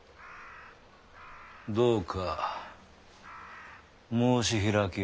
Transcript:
どうか申し開きを。